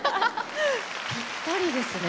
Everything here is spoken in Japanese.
ぴったりですね